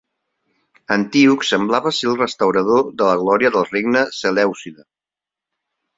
Antíoc semblava ser el restaurador de la glòria del Regne Selèucida.